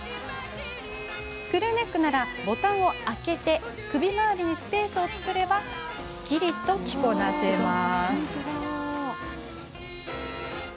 クルーネックならボタンを開けて首回りにスペースを作ればすっきりと着こなせます。